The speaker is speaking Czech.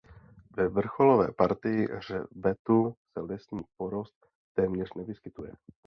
Ve vrcholové partii hřbetu se lesní porost téměř nevyskytuje.